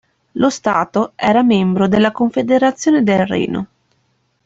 Lo stato era membro della Confederazione del Reno.